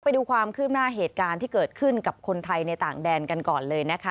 ไปดูความคืบหน้าเหตุการณ์ที่เกิดขึ้นกับคนไทยในต่างแดนกันก่อนเลยนะคะ